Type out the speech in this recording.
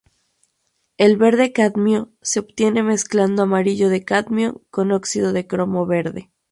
El verde cadmio se obtiene mezclando amarillo de cadmio con óxido de cromo verde.